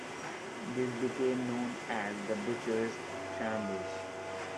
This became known as the "Butcher's Shambles".